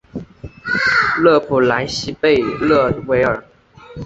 勒普莱西贝勒维尔。